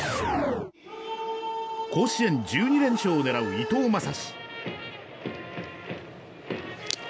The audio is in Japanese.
甲子園１２連勝を狙う伊藤将司。